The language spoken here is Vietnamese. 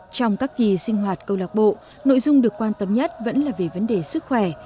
trong các kỳ sinh hoạt câu lạc bộ nội dung được quan tâm nhất vẫn là về vấn đề sức khỏe